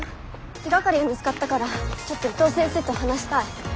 手がかりが見つかったからちょっと伊藤先生と話したい。